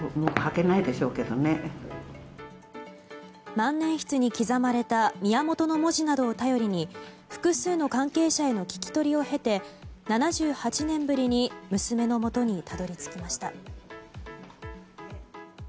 万年筆に刻まれた「宮本」の文字などを頼りに複数の関係者への聞き取りを経て７８年ぶりに娘のもとにたどり着きました。